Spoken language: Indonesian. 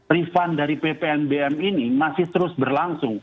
refund dari ppnbm ini masih terus berlangsung